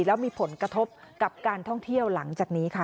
แล้วมีผลกระทบกับการท่องเที่ยวหลังจากนี้ค่ะ